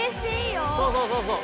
そうそうそうそう。